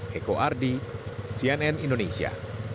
heko ardi cnn indonesia